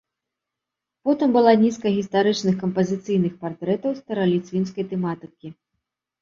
Потым была нізка гістарычных кампазіцыйных партрэтаў стараліцвінскай тэматыкі.